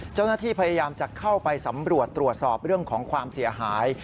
เจ้าหน้าที่พยายามจะเข้าไปสำรวจตรวจสอบเรื่องของความเสียหาย